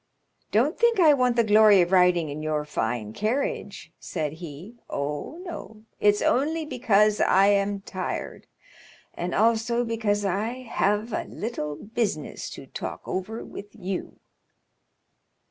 "Don't think I want the glory of riding in your fine carriage," said he; "oh, no, it's only because I am tired, and also because I have a little business to talk over with you."